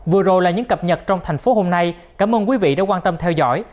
vừa rồi là những cập nhật trong thành phố hôm nay cảm ơn quý vị đã quan tâm theo dõi